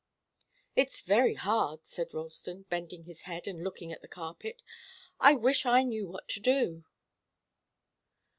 "It's very hard!" said Ralston, bending his head and looking at the carpet. "I wish I knew what to do."